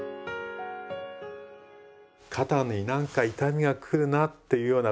肩に何か痛みが来るなぁっていうような